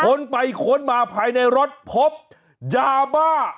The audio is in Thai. ขนไปขนมาภายในรถภพยาบ้า